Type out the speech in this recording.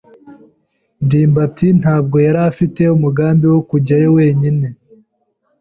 ndimbati ntabwo yari afite umugambi wo kujyayo wenyine.